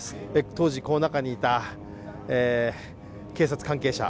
当時この中にいた警察関係者